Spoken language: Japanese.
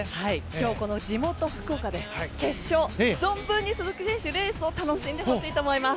今日この地元・福岡で決勝を存分に鈴木選手レースを楽しんでもらいたいなと思います。